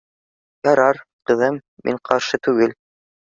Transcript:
— Ярар, ҡыҙым, мин ҡаршы түгел